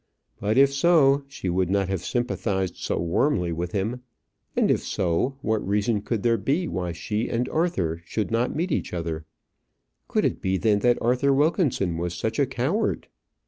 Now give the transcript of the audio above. But, if so, she would not have sympathized so warmly with him; and if so, what reason could there be why she and Arthur should not meet each other? Could it then be that Arthur Wilkinson was such a coward?